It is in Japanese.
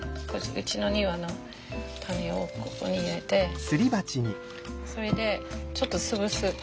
うちの庭の種をここに入れてそれでちょっと潰す。